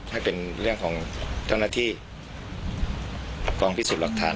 ถ้าเป็นเรื่องของเท่านักที่ต้องพิสูจน์หลักฐาน